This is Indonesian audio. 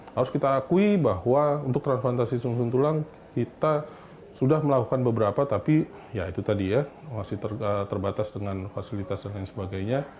harus kita akui bahwa untuk transplantasi sum sum tulang kita sudah melakukan beberapa tapi ya itu tadi ya masih terbatas dengan fasilitas dan lain sebagainya